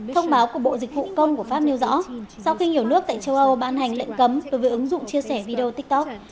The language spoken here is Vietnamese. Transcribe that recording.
thông báo của bộ dịch vụ công của pháp nêu rõ sau khi nhiều nước tại châu âu ban hành lệnh cấm đối với ứng dụng chia sẻ video tiktok